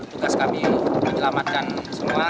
tugas kami menyelamatkan semua